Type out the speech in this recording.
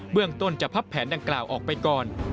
เรื่องต้นจะพับแผนดังกล่าวออกไปก่อน